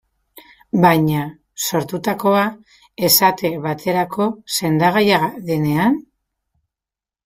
Baina, sortutakoa, esate baterako, sendagaia denean?